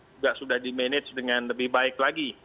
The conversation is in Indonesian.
juga sudah di manage dengan lebih baik lagi